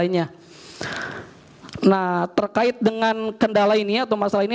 nah terkait dengan kendala ini atau masalah ini